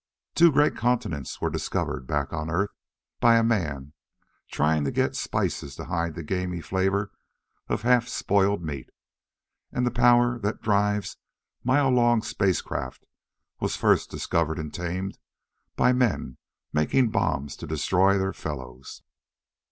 Two great continents were discovered back on Earth by a man trying to get spices to hide the gamey flavor of half spoiled meat, and the power that drives mile long space craft was first discovered and tamed by men making bombs to destroy their fellows.